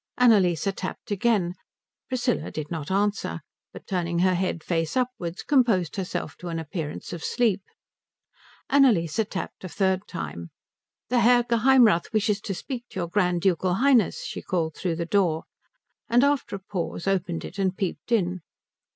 Annalise tapped again. Priscilla did not answer, but turning her head face upwards composed herself to an appearance of sleep. Annalise tapped a third time. "The Herr Geheimrath wishes to speak to your Grand Ducal Highness," she called through the door; and after a pause opened it and peeped in.